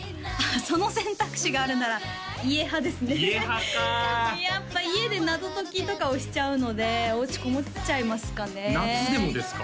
その選択肢があるなら家派ですね家派かやっぱ家で謎解きとかをしちゃうのでおうちこもっちゃいますかね夏でもですか？